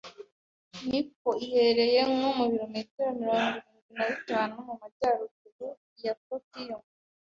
Nikko iherereye nko mu bilometero mirongo irindwi na bitanu mu majyaruguru ya Tokiyo.